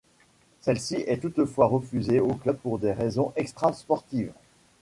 Celle-ci est toutefois refusée au club pour des raisons extra-sportive.